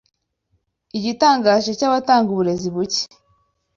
Igitangaje cyabatanga uburezi buke